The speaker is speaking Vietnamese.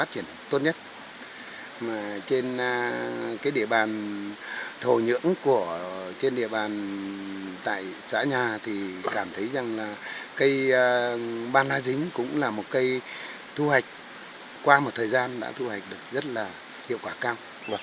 qua một thời gian đã thu hoạch được rất là hiệu quả cao